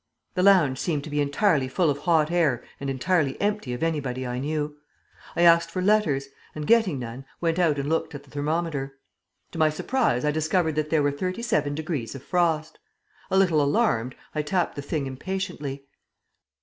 The lounge seemed to be entirely full of hot air and entirely empty of anybody I knew. I asked for letters; and, getting none, went out and looked at the thermometer. To my surprise I discovered that there were thirty seven degrees of frost. A little alarmed, I tapped the thing impatiently.